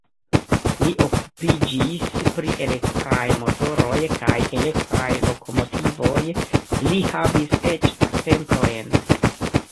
Li okupiĝis pri elektraj motoroj kaj elektraj lokomotivoj, li havis eĉ patentojn.